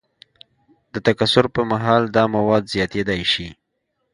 د تکثر پر مهال دا مواد زیاتیدای شي.